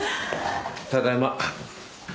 ただいま。